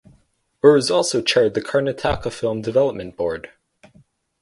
Urs also chaired the ""Karnataka Film Development Board"".